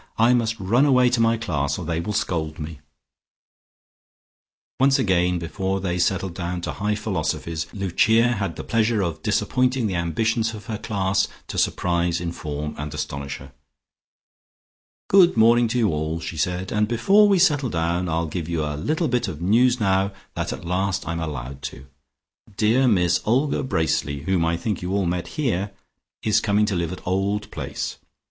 "I must run away to my class, or they will scold me." Once again before they settled down to high philosophies, Lucia had the pleasure of disappointing the ambitions of her class to surprise, inform and astonish her. "Good morning to you all," she said, "and before we settle down I'll give you a little bit of news now that at last I'm allowed to. Dear Miss Olga Bracely, whom I think you all met here, is coming to live at Old Place.